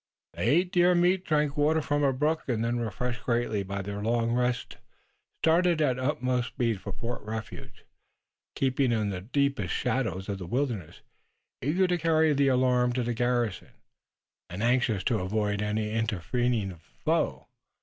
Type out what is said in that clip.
They ate deer meat, drank water from a brook, and then, refreshed greatly by their long rest, started at utmost speed for Fort Refuge, keeping in the deepest shadows of the wilderness, eager to carry the alarm to the garrison, and anxious to avoid any intervening foe.